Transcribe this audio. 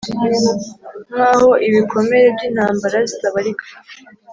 nkaho ibikomere byintambara zitabarika;